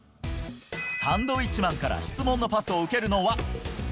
サンドウィッチマンから質問のパスを受けるのは。